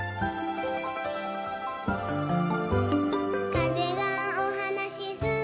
「かぜがおはなしするたび」